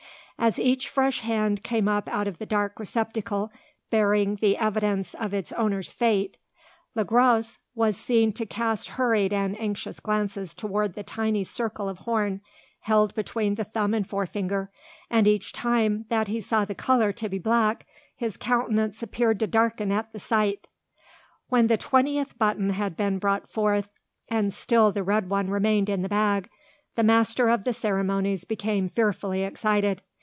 As each fresh hand came up out of the dark receptacle bearing the evidence of its owner's fate, Le Gros was seen to cast hurried and anxious glances towards the tiny circle of horn, held between the thumb and forefinger, and each time that he saw the colour to be black his countenance appeared to darken at the sight. When the twentieth button had been brought forth, and still the red one remained in the bag, the master of the ceremonies became fearfully excited.